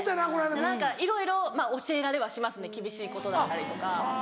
何かいろいろ教えられはしますね厳しいことだったりとか。